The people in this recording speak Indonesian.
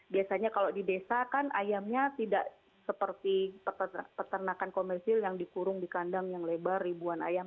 biasanya kalau di desa kan ayamnya tidak seperti peternakan komersil yang dikurung di kandang yang lebar ribuan ayam